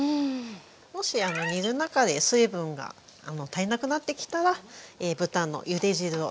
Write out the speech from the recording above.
もし煮る中で水分が足りなくなってきたら豚のゆで汁を足していきます。